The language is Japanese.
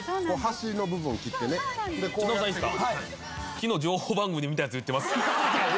昨日情報番組で見たやつ言ってます。